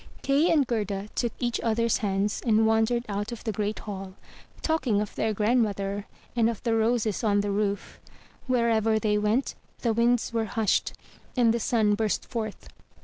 Kay and Gerda took each other's hands, and wandered out of the great hall, talking of their grandmother, and of the roses on the roof. Wherever they went, the winds were hushed, and the sun burst forth.